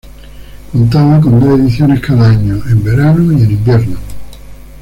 Contaba con dos ediciones cada año, en verano y en invierno.